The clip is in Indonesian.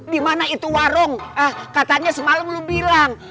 di mana itu warung katanya semalem lu bilang